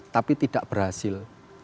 tapi tidak berhasil